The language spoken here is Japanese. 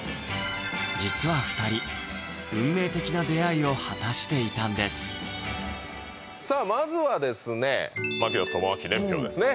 実は２人運命的な出会いを果たしていたんですさあまずはですね槙野智章年表ですね